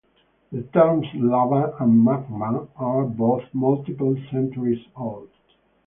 The terms lava and magma are both multiple centuries old.